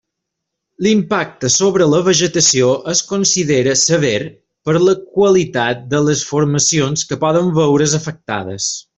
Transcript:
L'impacte sobre la vegetació es considera sever per la qualitat de les formacions que poden veure's afectades.